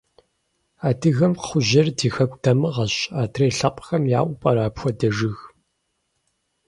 Адыгэм кхъужьейр ди хэку дамыгъэщ, адрей лъэпкъхэм яӀэу пӀэрэ апхуэдэ жыг?